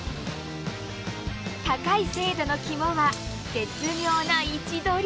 高い精度のキモは絶妙な位置取り。